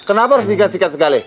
kenapa harus diganti sekali